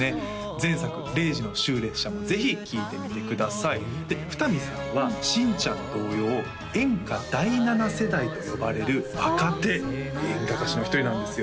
前作「０時の終列車」もぜひ聴いてみてくださいで二見さんは新ちゃん同様演歌第７世代と呼ばれる若手演歌歌手の１人なんですよ